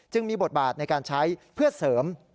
มีบทบาทในการใช้เพื่อเสริม